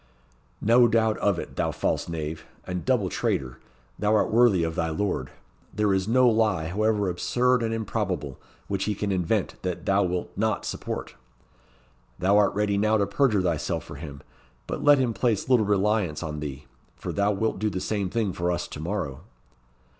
"No doubt of it, thou false knave, and double traitor! thou art worthy of thy lord. There is no lie, however absurd and improbable, which he can invent, that thou wilt not support. Thou art ready now to perjure thyself for him; but let him place little reliance on thee, for thou wilt do the same thing for us to morrow."